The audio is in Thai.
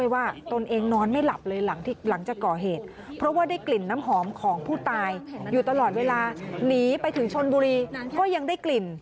เวลาหนีไปถึงชนบุรีก็ยังได้กลิ่น